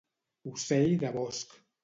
Ocell de bosc.